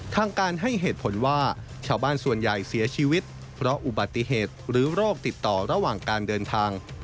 ทางการให้เหตุผลว่าชาวบ้านส่วนใหญ่เสียชีวิตเพราะอุบัติเหตุหรือโรคติดต่อระหว่างการเดินทาง